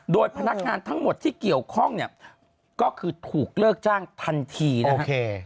โดยพนักงานทั้งหมดที่เกี่ยวข้องเนี่ยก็คือถูกเลิกจ้างทันทีนะโอเค